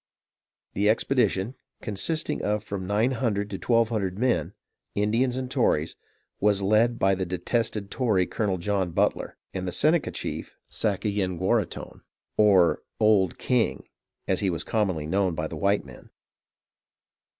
The expedition, consisting of from nine hundred to twelve hundred men, Indians and Tories, was led by the detested Tory, Colonel John Butler, and the Seneca chief Sayenguaraghton, or "Old King," as he was commonly known by the white men.